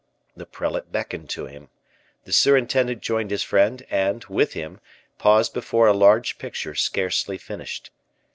The prelate beckoned to him. The surintendant joined his friend, and, with him, paused before a large picture scarcely finished.